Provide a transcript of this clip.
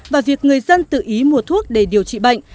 và việc người dân tự ý mua thuốc để điều trị bệnh